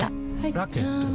ラケットは？